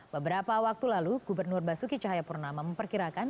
beberapa waktu lalu gubernur basuki cahayapurnama memperkirakan